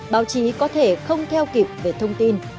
báo chí có thể không theo kịp về thông tin